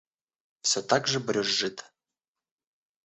Все так же брюзжит.